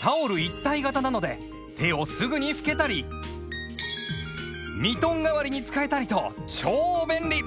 タオル一体型なので手をすぐに拭けたりミトン代わりに使えたりと超便利！